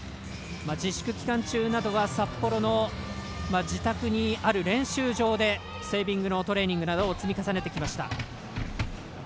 自粛期間中などは札幌の自宅にある練習場でセービングのトレーニングなどを積み重ねてきました。